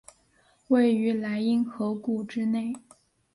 位于莱茵河谷之内。